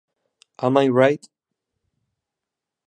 Am I Right?